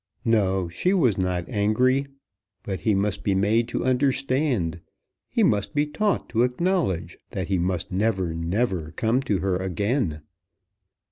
No, she was not angry. But he must be made to understand, he must be taught to acknowledge, that he must never, never come to her again.